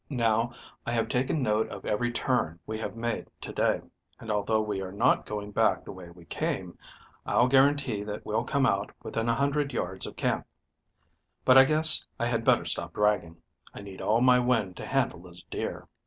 Now I have taken note of every turn we have made to day, and, although we are not going back the way we came, I'll guarantee that we'll come out within a hundred yards of camp. But I guess I had better stop bragging. I need all my wind to handle this deer."